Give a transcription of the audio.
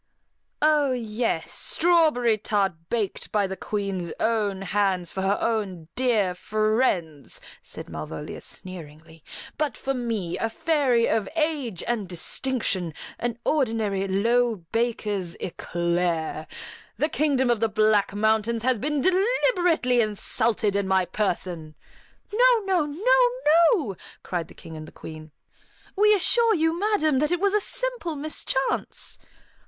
"Oh yes, strawberry tart baked by the Queen's own hands for her own dear friends," said Malvolia sneeringly; "but for me, a fairy of age and distinction, an ordinary, low baker's eclair. The Kingdom of the Black Mountains has been deliberately insulted in my person!" "No, no, no, no!" cried the King and the Queen. "We assure you, madam, that it was a simple mischance."